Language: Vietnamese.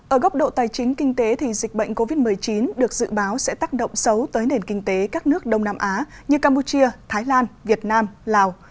ở góc độ tài chính kinh tế thì dịch bệnh covid một mươi chín được dự báo sẽ tác động xấu tới nền kinh tế các nước đông nam á như campuchia thái lan việt nam lào